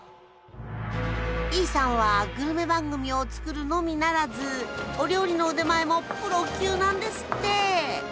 イさんはグルメ番組を作るのみならずお料理の腕前もプロ級なんですって！